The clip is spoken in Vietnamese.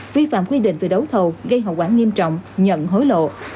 vi phạm quy định về đấu thầu gây hậu quả nghiêm trọng nhận hối lộ